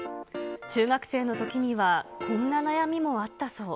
中学生のときにはこんな悩みもあったそう。